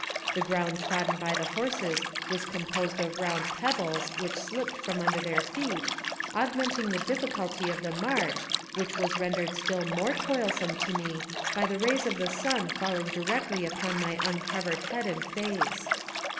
The ground trodden by the horses was composed of round pebbles, which slipped from under their feet, augmenting the difficulty of the inarch, which was rendered still more toilsome to me AMONG THE SIOUX INDIANS. 163 by the rays of the sun falling directly upon my un covered head and face.